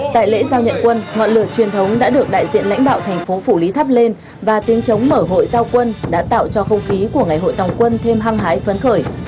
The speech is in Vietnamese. tại lễ giao nhận quân ngọn lửa truyền thống đã được đại diện lãnh đạo thành phố phủ lý thắp lên và tiếng chống mở hội giao quân đã tạo cho không khí của ngày hội tòng quân thêm hăng hái phấn khởi